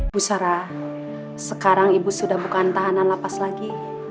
bu sarah sekarang ibu sudah bukan tahanan lapas lagi